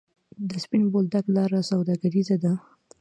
د سپین بولدک لاره سوداګریزه ده